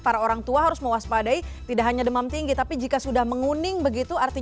para orang tua harus mewaspadai tidak hanya demam tinggi tapi jika sudah menguning begitu